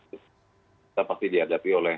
kita pasti dihadapi oleh